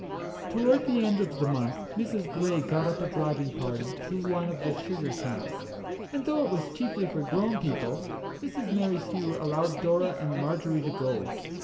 Toward the end of the month Mrs. Grey got up a driving party to one of the sugar camps, and though it was chiefly for grown people, Mrs. Merrithew allowed Dora and Marjorie to go.